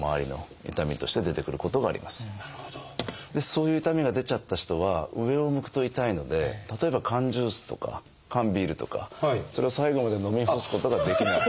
そういう痛みが出ちゃった人は上を向くと痛いので例えば缶ジュースとか缶ビールとかそれを最後まで飲み干すことができない。